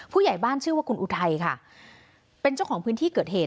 ผู้ใหญ่บ้านชื่อว่าคุณอุทัยค่ะเป็นเจ้าของพื้นที่เกิดเหตุ